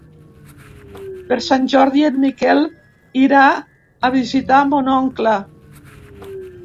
Per Sant Jordi en Miquel irà a visitar mon oncle.